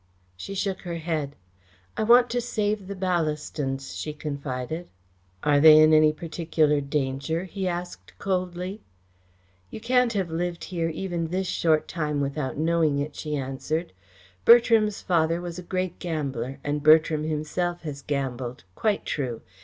She shook her head. "I want to save the Ballastons," she confided. "Are they in any particular danger?" he asked coldly. "You can't have lived here even this short time without knowing it," she answered. "Bertram's father was a great gambler, and Bertram himself has gambled. Quite true.